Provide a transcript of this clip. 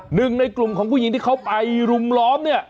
หนึ่งในกลุ่มของผู้หญิงที่เขาไปรุมล้อมเนี่ย